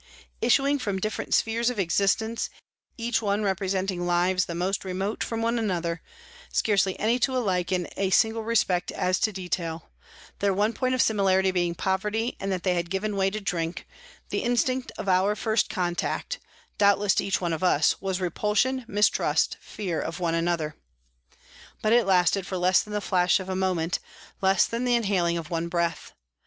Issuing from different spheres of existence, each one representing lives the most remote from one another, scarcely any two alike in a single respect as to detail, their one point of similarity being poverty and that they had given way to drink, the instinct of our first contact, doubtless to each one of us, was repulsion, mistrust, fear of one another. But it lasted for less than the flash of a moment, less than the inhaling of one breath.